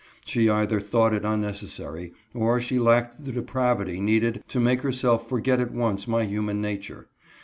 She either thought it unnecessary, or she lacked the depravity needed to make herself forget at once my human nature.